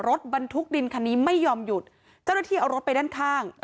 รถบรรทุกดินคันนี้ไม่ยอมหยุดเจ้าหน้าที่เอารถไปด้านข้าง